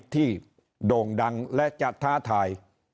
โด่งดังและจะท้าทาย